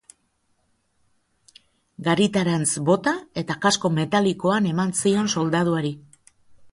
Garitarantz bota, eta kasko metalikoan eman zion soldaduari.